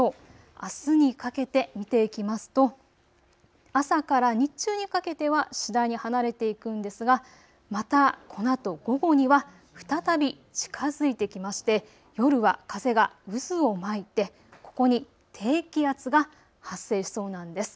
あすにかけて見ていきますと朝から日中にかけては次第に離れていくんですがまたこのあと午後には再び近づいてきまして夜は風が渦を巻いてここに低気圧が発生しそうなんです。